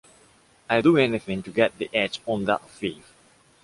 I'll do anything to get the edge on that thief.